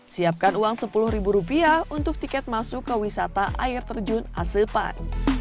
siapkan uang sepuluh ribu rupiah untuk tiket masuk ke wisata air terjun asepan